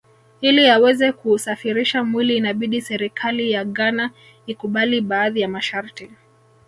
Ili aweze kuusafirisha mwili inabidi serikali ya Ghana ikubali baadhi ya masharti